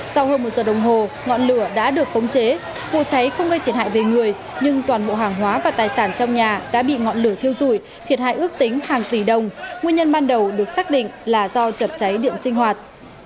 sau hơn một giờ đồng hồ ngọn lửa đã được khống chế vụ cháy không gây thiệt hại về người nhưng toàn bộ hàng hóa và tài sản trong nhà đã bị ngọn lửa thiêu rụi thiệt hại ước tính hàng tỷ đồng nguyên nhân ban đầu được xác định là do chập cháy điện sinh hoạt